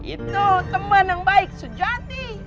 itu teman yang baik sejati